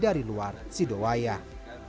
dari luar sidowayah